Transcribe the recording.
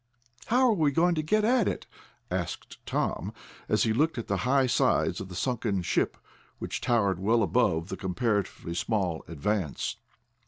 "How are we going to get at it?" asked Tom, as he looked at the high sides of the sunken ship, which towered well above the comparatively small Advance.